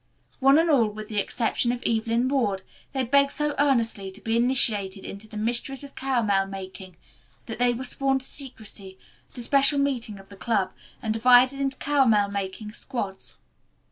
One and all, with the exception of Evelyn Ward, they begged so earnestly to be initiated into the mysteries of caramel making that they were sworn to secrecy at a special meeting of the club and divided into caramel making squads.